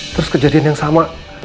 terus kejadian yang sama